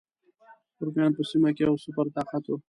رومیان په سیمه کې یو سوپر طاقت و.